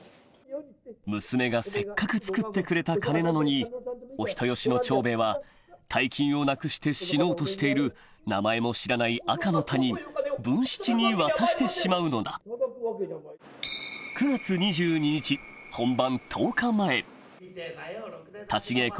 娘がせっかくつくってくれた金なのにお人よしの長兵衛は大金をなくして死のうとしている名前も知らない赤の他人文七に渡してしまうのだ９月２２日立ち稽古